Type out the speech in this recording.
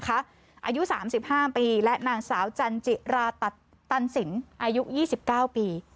อายุ๓๕ปีและนางสาวจันจิราตันสินอายุ๒๙ปี